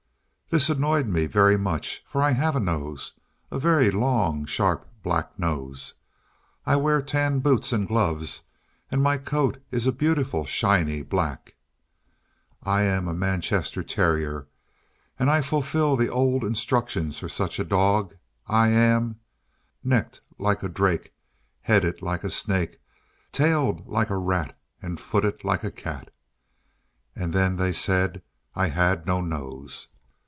This annoyed me very much, for I have a nose a very long, sharp, black nose. I wear tan boots and gloves, and my coat is a beautiful shiny black. I am a Manchester terrier, and I fulfil the old instructions for such dogs. I am Neckèd like a drakè, Headed like a snakè, Tailed like a ratte, And footed like a catte. And then they said I had no nose.